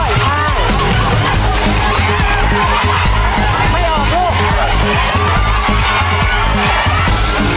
ไม่ออกไป